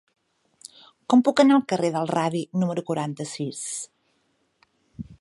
Com puc anar al carrer del Radi número quaranta-sis?